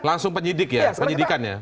langsung penyidik ya penyidikannya